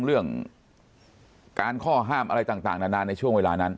เรื่องการข้อห้ามอะไรต่างนานาในช่วงเวลานั้น